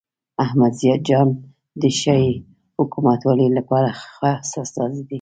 احمد ضیاء جان د ښې حکومتولۍ لپاره خاص استازی دی.